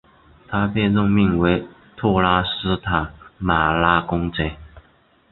他被任命为特拉斯塔马拉公爵。